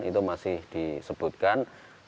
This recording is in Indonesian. itu masih disebutkan